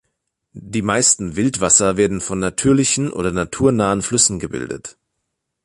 Die meisten Wildwasser werden von natürlichen oder naturnahen Flüssen gebildet.